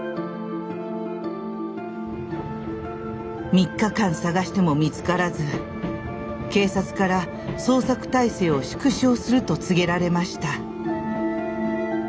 ３日間捜しても見つからず警察から捜索体制を縮小すると告げられました。